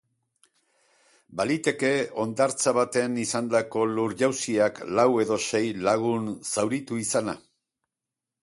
Baliteke, hondartza batean izandako lur-jausiak lau edo sei lagun zauritu izana.